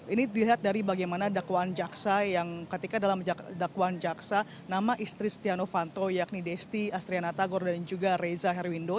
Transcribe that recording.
ini dilihat dari bagaimana dakwaan jaksa yang ketika dalam dakwaan jaksa nama istri stiano fanto yakni desti astriana tagor dan juga reza herwindo